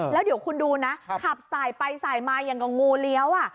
แล้วเดี๋ยวคุณดูนะขับสายไปสายมาอย่างกับงูเลี้ยว